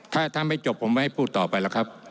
ถ้าไม่จบผมไม่ให้พูดต่อไปแล้วครับ